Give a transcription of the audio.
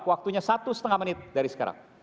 waktunya satu setengah menit dari sekarang